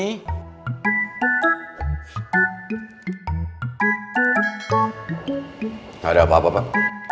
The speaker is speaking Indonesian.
tidak ada apa apa pak